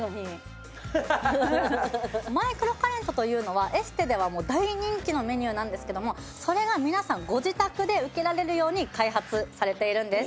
マイクロカレントというのはエステではもう大人気のメニューなんですけどもそれが皆さんご自宅で受けられるように開発されているんです。